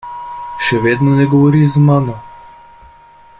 Še vedno ne govoriš z mano?